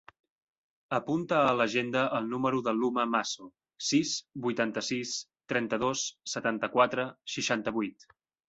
Apunta a l'agenda el número de l'Uma Masso: sis, vuitanta-sis, trenta-dos, setanta-quatre, seixanta-vuit.